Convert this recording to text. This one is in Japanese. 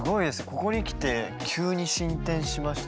ここにきて急に進展しましたね。